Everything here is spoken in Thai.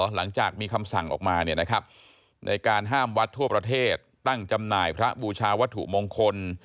หลังจากมีคำสั่งออกมาในการห้ามวัดทั่วประเทศตั้งจำหน่ายพระบูชาวัตถุมงคล